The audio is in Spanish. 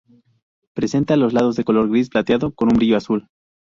Presenta los lados de color gris plateado con un brillo azul.